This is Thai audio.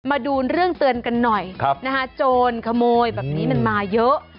มาดูเรื่องเตือนกันหน่อยโจรขโมยแบบนี้มันมาเยอะ